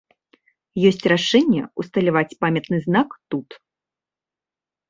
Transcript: Ёсць рашэнне ўсталяваць памятны знак тут.